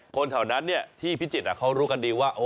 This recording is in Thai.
คนแถวนั้นที่พิจิตรเขารู้กันดีว่า